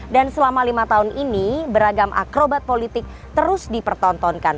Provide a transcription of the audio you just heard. dan selama lima tahun ini beragam akrobat politik terus dipertontonkan